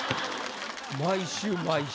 毎週毎週。